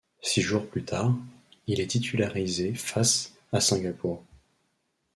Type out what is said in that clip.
Six jours plus tard, il est titularisé face à Singapour.